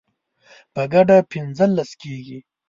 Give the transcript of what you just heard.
په ګډه پنځلس کیږي